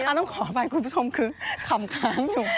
ต้องขออภัยคุณผู้ชมคือขำค้างอยู่